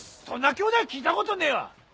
そんな兄弟聞いたことねえわ。